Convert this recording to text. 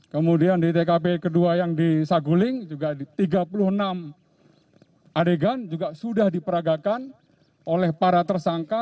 kemudian di tkp kedua yang di saguling juga tiga puluh enam adegan juga sudah diperagakan oleh para tersangka